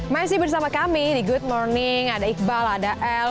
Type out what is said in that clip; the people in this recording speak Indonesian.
masih bersama kami di good morning ada iqbal ada el